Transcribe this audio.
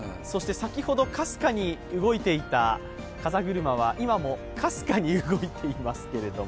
先ほどかすかに動いていた風車は今もかすかに動いていますけれども。